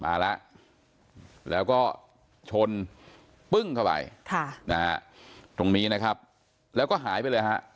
มาแล้วแล้วก็ชนปึ้งเข้าไปค่ะนะฮะตรงนี้นะครับแล้วก็หายไปเลยฮะ